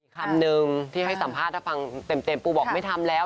คำนึงที่ให้สัมภาษณ์ถ้าฟังเต็มปูบอกไม่ทำแล้ว